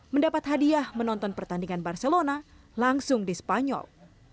mendapat hadiah menonton pertandingan barcelona langsung di spanyol